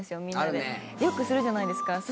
みんなでよくするじゃないですか。